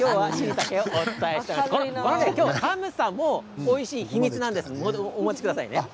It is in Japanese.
この寒さもおいしい秘密なのでお待ちくださいね。